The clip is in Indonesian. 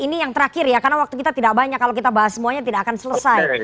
ini yang terakhir ya karena waktu kita tidak banyak kalau kita bahas semuanya tidak akan selesai